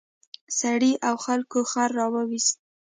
سړي او خلکو خر راوویست.